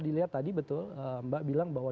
dilihat tadi betul mbak bilang bahwa